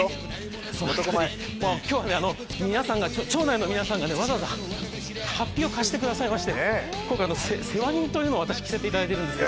今日は町内の皆さんがわざわざはっぴを貸してくださいまして世話人というのを着せていただいているんですよ。